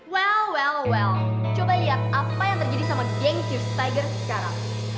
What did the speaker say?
well well well coba liat apa yang terjadi sama geng cheers tiger sekarang